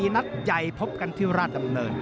นัดใหญ่พบกันที่ราชดำเนิน